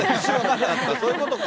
そういうことか。